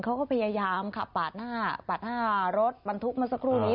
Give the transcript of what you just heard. เขาก็พยายามขับปาดหน้าปาดหน้ารถบรรทุกเมื่อสักครู่นี้